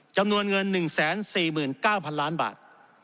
จำนวนเงิน๑๔๙๐๐ล้านบาท